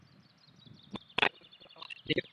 মা, এরকম একটা নৌকা আমাদের নেই কেন?